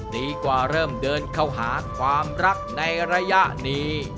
ดีกว่าเริ่มเดินเข้าหาความรักในระยะนี้